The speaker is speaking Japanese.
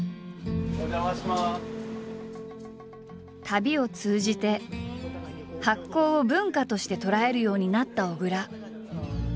旅を通じて発酵を文化として捉えるようになった小倉。